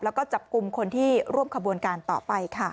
แล้วก็จับกลุ่มคนที่ร่วมขบวนการต่อไปค่ะ